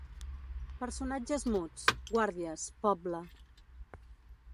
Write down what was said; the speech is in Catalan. Personatges muts: guàrdies, poble.